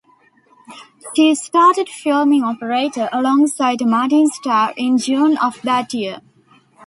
She started filming "Operator" alongside Martin Starr in June of that year.